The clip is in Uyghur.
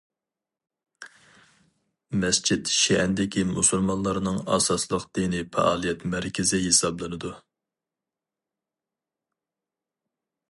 مەسچىت شىئەندىكى مۇسۇلمانلارنىڭ ئاساسلىق دىنىي پائالىيەت مەركىزى ھېسابلىنىدۇ.